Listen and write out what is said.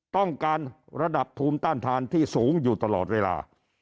ต้องการระดับภูมิต้านทานที่สูงอยู่ตลอดเวลา